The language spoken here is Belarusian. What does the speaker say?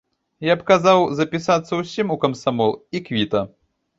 Я б казаў запісацца ўсім у камсамол, і квіта.